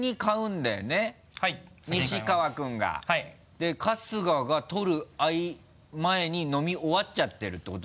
で春日が取る前に飲み終わっちゃってるってこと？